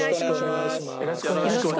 よろしくお願いします。